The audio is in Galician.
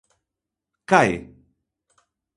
-Cae!